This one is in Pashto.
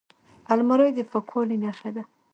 الماري د پاکوالي نښه ده